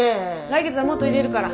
来月はもっと入れるから。